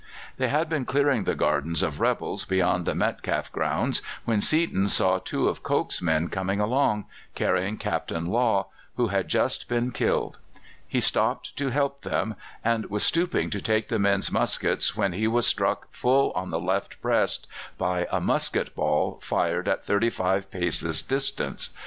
They had been clearing the gardens of rebels beyond the Metcalfe grounds when Seaton saw two of Coke's men coming along, carrying Captain Law, who had just been killed. He stopped to help them, and was stooping to take the men's muskets when he was struck full on the left breast by a musket ball fired at thirty five paces' distance.